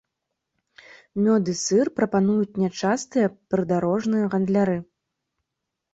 Мёд і сыр прапануюць нячастыя прыдарожныя гандляры.